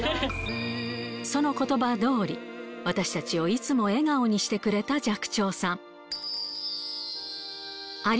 そのことばどおり、私たちをいつも笑顔にしてくれた寂聴さん。